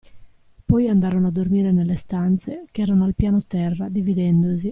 Poi andarono a dormire nelle stanze, che erano al piano terra, dividendosi.